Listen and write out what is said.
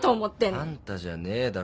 「あんた」じゃねえだろ。